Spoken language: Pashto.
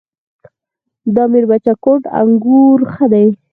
د میربچه کوټ انګور ښه دي